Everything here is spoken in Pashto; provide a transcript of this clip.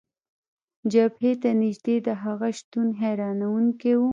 جبهې ته نژدې د هغه شتون، حیرانونکی و.